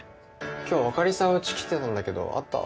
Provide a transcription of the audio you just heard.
今日あかりさんうち来てたんだけど会った？